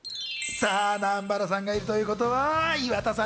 さぁ、南原さんがいるということは、岩田さん